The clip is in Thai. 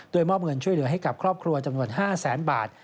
โดยมอบเงินช่วยเหลือให้กับครอบครัวจำนวน๕แสนบาท